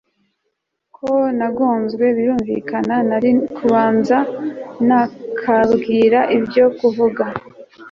ko nagonzwe, birumvika nari kubanza nakabwira ibyo kavuga!